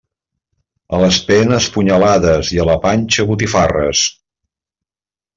A les penes, punyalades, i a la panxa, botifarres.